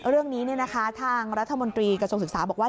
เรื่องนี้ทางรัฐมนตรีกระทรวงศึกษาบอกว่า